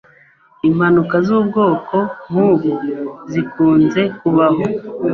Impanuka zubwoko nkubu zikunze kubaho.